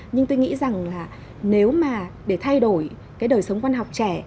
nhưng tôi nghĩ rằng là nếu mà để thay đổi cái đời sống văn học trẻ